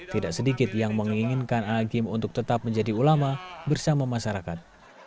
tidak sedikit yang menginginkan a'agim untuk tetap menjadi ulama bersama masyarakat